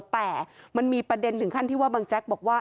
แต่มันมีประเด็นถึงขั้นที่ว่าบางแจ๊กบอกว่า